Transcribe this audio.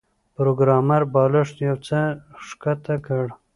پروګرامر بالښت یو څه ښکته کړ